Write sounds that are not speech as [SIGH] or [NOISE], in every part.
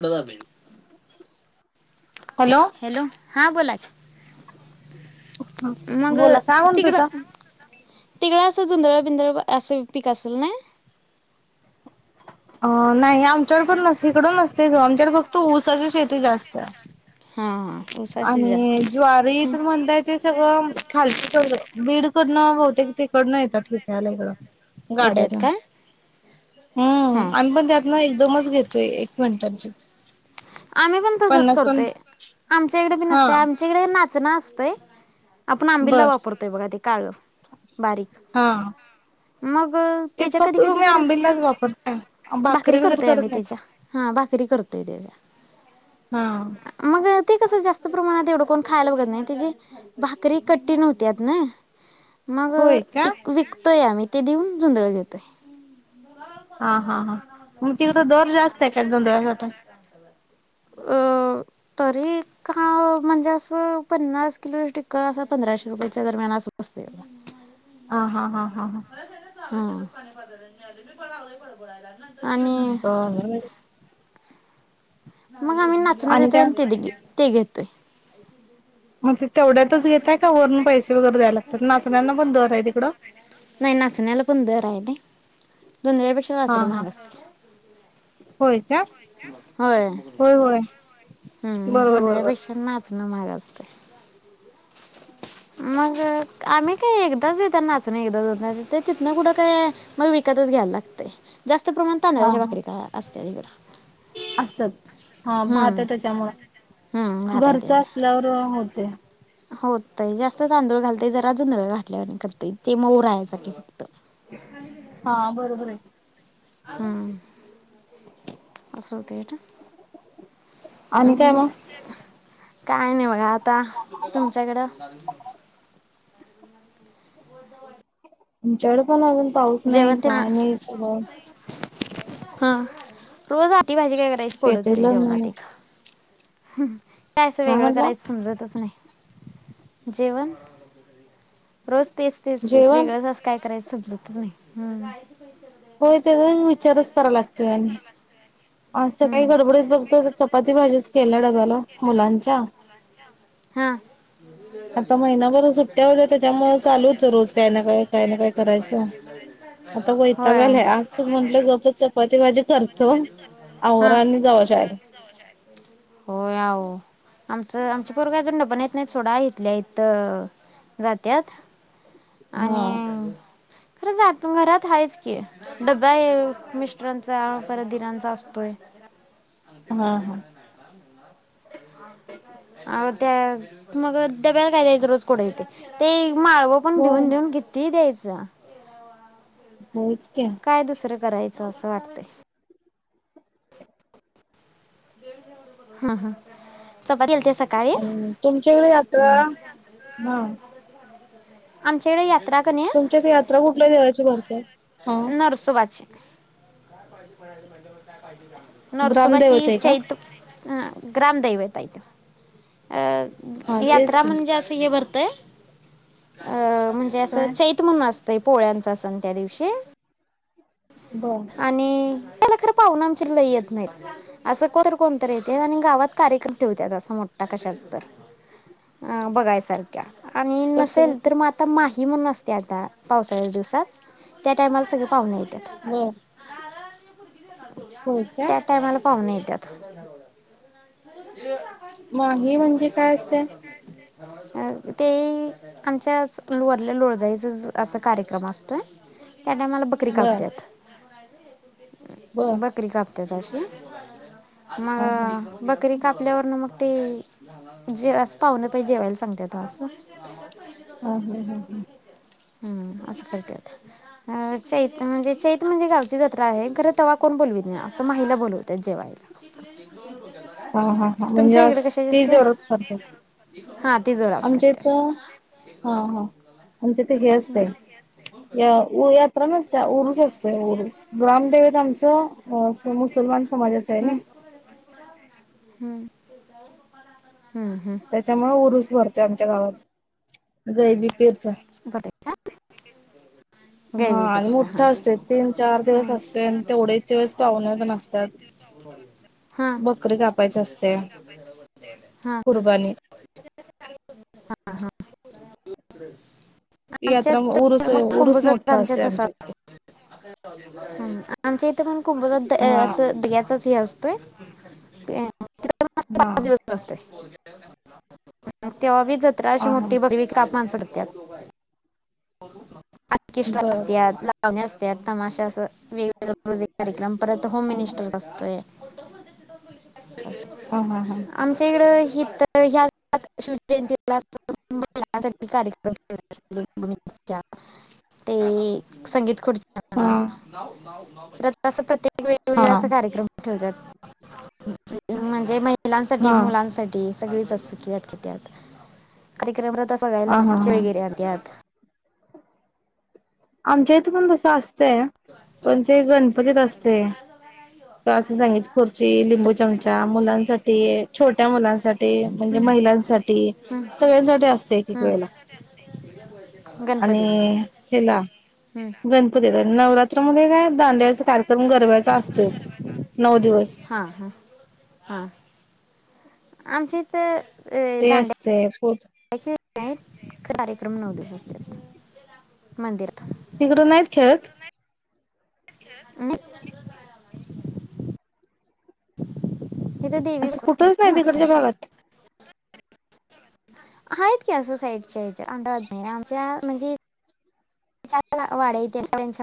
कुठलं झालय हॅलो हा बोला ह मग बोला काय तिकडं म्हणतायसा तिकडं असं झुधळ बिंदळ असे पीक असेल ना अ नाही आम ण नस इकड नसतेमच्या तो ऊसाच्या शेती जास्त हां आणि ज्वारीथून म्हणताय ते सगळं खाल बीड करनं ब तिकडंन येत्यात विकायला इकडं येत्यात गाड्यातून काय हम्म. आम्ही पण त्यातन एकदमच घेतो- त एक मिनिटांची- आम्ही पण तसच करतोय. आम- आमच्याकडे पण हा नसतय. आमच्याकडे नाचणं अस- तय - आपण आंबीला बर वापरतोय बघा ते काळं बारीक- हा मग- ग ते त्याच्या कधी फक्त कधी तुम्ही तर आंबिललाच वापरताय भाकरी वगैरे करतोय करत आम्ही नाही त्याच्या. हा भाकरी करतोय त्याच्या. हा. मग ते कस जास्त प्रमाणात एवढं कोण खायला बघत नाही त्या भाकरी कठीण होत्यात ना. मग- होय का एक विक- विकतोय आम्ही ते देऊन जोंधळ घेतोय. हा हा हा. मग तिकडं दर जास्त आहे काय जोंधळ्याला पण? अं -तरी काय म्हणजे असं पन्नास किलो टिक्का असं पंधराशे रुपयाच्या दरम्यान अस बसतय. ह हा हा. हा हा. अं. [UNINTELLIGIBLE] मग आम्ही नाचण आणि देतो काय आनी पीठ - ते घेतोय. मग ते तेवढ्यातच घेताय का वरून पैसे वगैरे द्यायला लागतात नाचण्यांना पण दर आहे तिकडं नाही नाचण्याला पण दर आहे ना. जोंधळ्यापेक्षा हा नाचणं हा महाग असतं. होय का होय. होय. ह हम्म. जोंधळ्यापेक्षा नाच- हं महाग असतय. मग- आम्ही काय एकदाच घेतो नाचण, एकदा दोनदा तिथन. कुठं काय मग विकतच घ्यायला लागतय. जास्त प्रमाणात तांदळाच्या भाकरी का असतात. त्यानी करा- असत्यात. हा. भात आहे त्याच्यामुळ, घरच असल्यावर होतय. होतय जास्त तांदूळ घालतय जरा [UNINTELLIGIBLE] ते मउ राहन्यासाठी फक्त. हा बरोबर ख आहे हम्म असूतेट [INAUDIBLE] अ आणि काय मग काय नाही बघा आता आता तुमच्याकडं च्याड पणग पाऊस नाही जेवण ते काय नाही सय रोजा पोळी भाजी काय करायची पडच रे जेवणत एक हम्म काय असं वेगळं करायचं समजतच नाही जेवण रोज तेच तेच तेच जेवण वगळं काय करायचं समजत नाही हम् होय त्याचा विचारच करा लागतोय आणि असं काही हम्म गडबडीत बघत चपाती भाजीच केल्या ना ढाब्याला मुलांच्या हा आता महिनाभर सुट्ट्या होत्या त्याच्यामुळे चालूच रोज काय ना काय काय ना काय करायचं आता वैताग आलाय आज म्हंटलं चपाती आहोरानी जावं शाद होय आहो आमचं आमचे परग अजून डबण येत नाहीत थोडा इथल्या इथ जात्यात हा आणि खरं ज घरात आहेाच की डबा आहे मिस्टरांचा परत दिरांचा असतो बर अ ते म हा काय हा म्हणा नाही आ अ त्या मग डब्याला काय द्यायचं रोज? कोड होते ते मावर पण होय देऊन -देऊन किती दया चे? जा होच कीं करायचं असं वाटत. हा हा चपाती सकाळी अ...... तुमच्याकडे यात्रा आमच्याकडे या. तुमच्या कडे यात्रा कुठल्या देवाची भरती? हा काय पाहिजे म्हणाली? नरसोबाची ग्रामदैवता आहे का चैत ग्राम दैवेत आहे ते हा तेच यात्रा की म्हणजे असं व ते अ म्हणजे असं काय चैत म्हणून असतंय पोळ्यांचा सण त्या दिवशी बर आणि आपल्याला खरं पाहून आमची लय येत नाहीत असं कोण कोणतरी येते आणि गावात कार्यक्रम ठेवतात असा मोठा कशाच तर अ बघायसारख्या आणि कशाला नसेल तर मग आता माही म्हणून असते. ते आता पावसाळ्या दिवसात त्या टायमाला सगळे पाहुूणे येतात. बर होय काय त्या टायमाला पाहून येतात थ [INAUDIBLE] ह माही भा म्हणजे काय का असते [INAUDIBLE] अ ते आमच्याच लरल्या लोळजाईच अस कार्यक्रम असतोय त्या टायमाला बकरी बर कापतात बर बकरी कापतात अत कशी? हा हा मग बघ. री कापल्यावर मग ते ज पाहहिे जेवायला सांगते त असं. ह ह हदी हम्म असं करत चैत म्हणजे चैत म्हणजे गावची जत्रा आहे. खर तेव्हा कोण बोलवीित नाही असं महिला बोलवतात जेवायला. [UNINTELLIGIBLE] ह हा हा तुमच्या म्हणजे इकडे कशाची तेी असत्या? जरच सारख. हा. ती जोरात आमच्या इथ करत्यात. हा हा आमच्या इथ हे हम्म असतयत. नसत उरुस असतते उरुस रा्रामदेवत आमच मुसलमान समज अस हम्म हम्म. हम्म हम्म. त्याच्यामुळे उरुस भरतोय आमच्या गावात. गैबी पेचाच गैबी पेचा असते तीन चार हा दिवस असते आणि तेवढे दिवस पाहुणे तेन असतात हा बकरी कापायची असते हा हा. कुर्बानी हा हा. यात्रा उरूस उरूस मो आमच्या इथं, [INAUDIBLE] आमच्या इथं पण कुंभ रद्द हा असं बियाचा चे असतोय पे [UNINTELLIGIBLE] हा पाच दिवसचा असतय. तेव्हा बी जत्रा ह अशी हा मोठी. [UNINTELLIGIBLE] त्या हो आर्किष्टा बर असत्यात ला पाहुण्या असत्यात तमाशा असं वेगवेगळ्या. [INAUDIBLE] कार्यक्रम परत होम ह मिनिस्टर बसतोय. खोटं बोलतेत तिथून [UNINTELLIGIBLE] हा हा हा शिकाय आमच्या इकडं हे तर ह्यात शिवजयंतीला असं. [UNINTELLIGIBLE] मुलांसाठी कार्यक्रम ठेवला आहे. अशी दोन [UNINTELLIGIBLE] ते संगीत खुडच्या हा [UNINTELLIGIBLE] प्रत्येक हा वेगवेगळा असं कार्यक्रम ठेवत्यात. म्हणजे माही महिलांसाठी मुलांसाठी सगळीच असत्यात की त्यात कार्य क्रमरता हा सगळ्याला हा पिच्च हा वगैरे आणत्यात. आमच्या इथं पण तसं अस तेय्या पण ते गणपतीत असते का असं संगीत खुर्ची, त- लिंबू चमचा मुलांसाठी छोट्या मुलांसाठी म्हणजे हं, महिलांसाठी हं, सगळ्यांसाठी असते, एकेक हं. वेळेला गणपतींना आणि ह्याला हं. गणपतीत आहे. नवरात्रि मध्ये काय दांड्याचा कार्यक्रम गरब्याच्या असतोयस नऊ दिवस. हां हां हां आमच्या इथं ते असतेय पो का कार्यक्रम नऊ दिस असतात मंदिरात. [UNINTELLIGIBLE] तिकड नाहित खेळत? [UNINTELLIGIBLE] [INAUDIBLE] नि [UNINTELLIGIBLE] इथं देवी असं बसवत कुठंच नाही तिकडच्या मांडवात गावात? आहेत की, असं साईडच्या- आमच्या म्हणजे- [UNINTELLIGIBLE] इथ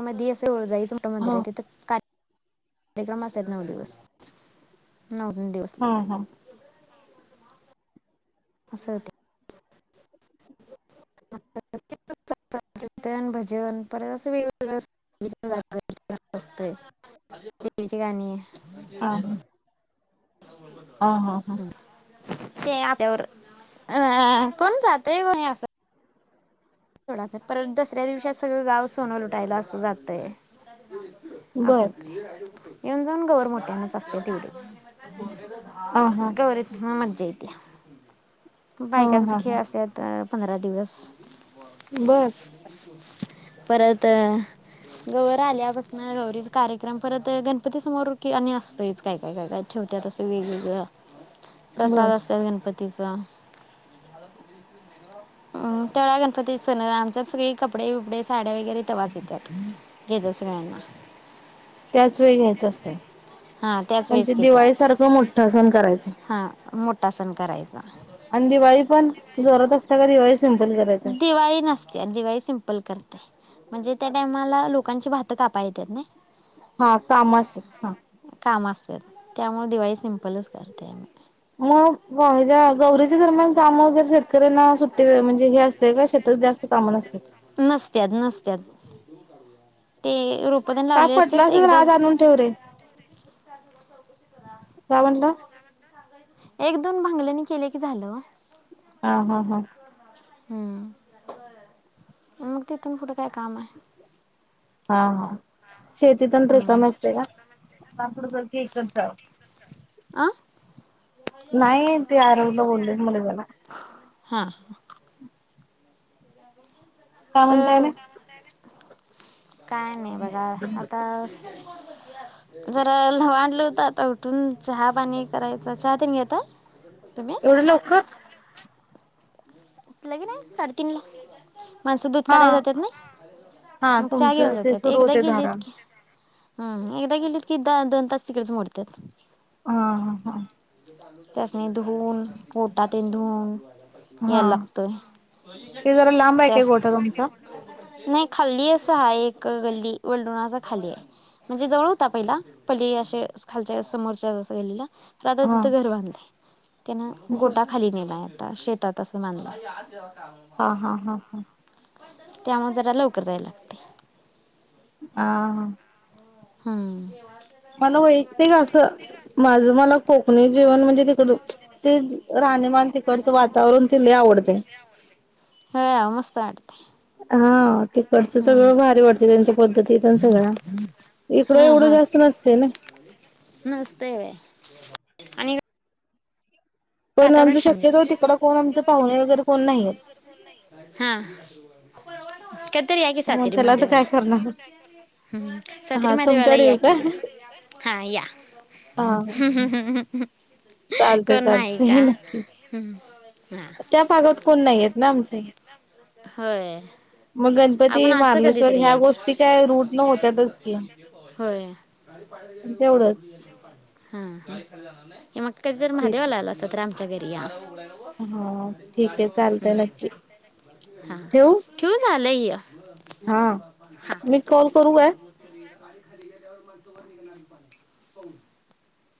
हा मंदिरात तिथ कात [UNINTELLIGIBLE] कार्यक्रम असत्यात, नऊ दिवस. नऊ हा दिवसल्या हा [UNINTELLIGIBLE] असं होतय. कीर्तन, भजन परत असं वेगवेगळ कार्यक्रम देवीच- यांनी. हा हा, हा, हा, ते आप्यावर अ.. कोण जातय को असं परत दसऱ्या दिवशी सगळं गाव सोनं लुटायला असं जातय. असं बर होतय. येऊन जाऊन गवार मोठ्यानच अस- थोडाच हा हा गौरीत मज्या येत- [UNINTELLIGIBLE] हा बायकांचे हा खेळ हा असतात अ.. - पंधरा दिवस. बर. परत गौवर आल्यापासन गौरीचा कार्यक्रम परत गणपती समोर ब आणि असतयच. काय, काय, काय, काय ठेवतात, असं वेगवेगळ प्रसाद बर असतात गणपती- तम् त्या [UNINTELLIGIBLE] ते [UNINTELLIGIBLE] स आमच्यात सगळे कपडे बिपडे साड्या वगैरे तेवाच येतात, घेतात सगळ्यांना. त्याच वेळी घ्यायच असत. हां त्याच म्हणजे वेळेस घेतात दिवाळी सारखं मोठा सण करायच. टासन करायचं. आणि दिवाळी पण जोरत असत्या, खर दिवाळी सिंपल करायच. दिवाळी नसते दिवाळी सिम्पल करते म्हणजे त्या टायमाला लोकांची भात- त कापाय येत्यात नाही हा कामच हा काम असत त्यामुळें दिवाळी सिमपलच करते आम्ही मगज्या गौरीच्या दरम्यान काम वगैरे शेत ना सुट्टी म्हजे हे असते जास्त कामं नसते नसत्यात नसत्यात ते रुक का पटला अस तर आज आणून ठेव रे काय म्हणला एक दोन भांगल्यानी केले की झालं हा हा हा उख ते इ तून कुठं कय काम आहे हा हा शेतीत रिकम अं असते का आपपड इकडचा आं नाही ते आरगला बोललेत मला जला हां काय म्हणताय ना तर काय नाही बघा आता जरावांलं होत तर उठून चहा पाणी करायचं चहा ते यता तुम्ही एवढे लवकर लगीन आहे साडेतीनला माणसं दूध हा काढाय जातात ना हा मग चहा घेऊन तुमचं ते जातात सुरू एकदा होते धारा गेलीत की हम् एकदा गेलीत की द दोन तास तिकडेच मोडतात ह हा हा तर आणि धुवन गोटा धुवून या हा लग त ते जरा लांब आहे काय तेस गोठा तुमचा नाही खाल्ली असं आहेा एक गल्ली वल्डोणाचा खाल्ली आहे म्हणजे जवळ होता पहिला पली असे खालच्या समोरच्या जस गल्लीला राधा हा तिथं घर बांधलेय त्यांना हा गोटा खाली नेला आहेत आता शेतात असं मानला [INAUDIBLE] हा हा हा हा. त्यामुळे जरा लवकर जाय लागतंय. हा हा. हा. मला वैयक्तिक असं माझं मला को कणी जेवण म्हणजे, तिकडं ते राहणीमान तिकडचं वातावरण तेन लई आवडतंय. [INAUDIBLE] हं मस्त वाटतंय. हा. तिकडचं सगळं भारी वाटतंय, त्यांच्या पद्धती तेन सगळ्या. इकडं हा एवढं हा जास्त नसतंय ना. मस्त आहे आणि पण वातावरण आमचं शा शक्यतो तिकडं कोण आमचं पाहुणे वगैरे कोण नाहीयेत. हा. परवा नवरा कधीतरी याकी मग सातेरी त्याला तर काय महादेवाला. करणार सातेरी हा महादेवाला तुमच्याकडे येऊ काय याकी. हा या, हा कोण नाही. हे का नक्की, हा त्या भागात कोण नाहीयेत ना आमचे. होय. मग गणपती आपण असं मार्लेश्वर कधीतरी ह्या यायच. गोष्टी काय रूट न होत्यातच की होय. तेवढंच हा. मग कधी जर ठीक महादेवाला आलासा तर आम च्या घरी या. हा ठीक आहे, चालतंय नक्की. हा. ठेवू झा लय हे. हा हा. मी कॉल करू काय? [INAUDIBLE]